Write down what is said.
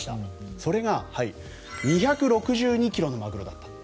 それが２６２ｋｇのマグロだったと。